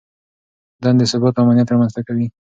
دندې ثبات او امنیت رامنځته کوي.